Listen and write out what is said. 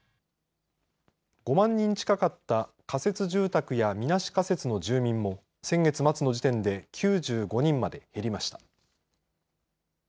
５万人近かった仮設住宅やみなし仮設の住民も先月末の時点で９５人まで減りました。